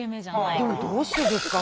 でもどうしてですか？